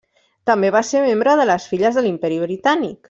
També va ser membre de les Filles de l'Imperi Britànic.